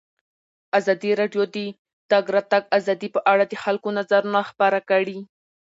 ازادي راډیو د د تګ راتګ ازادي په اړه د خلکو نظرونه خپاره کړي.